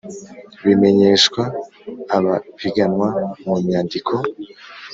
bimenyeshwa abapiganwa mu nyandiko